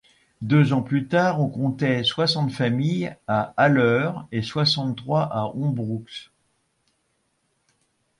Deux ans plus tard on comptait soixante familles à Alleur et soixante-trois à Hombroux.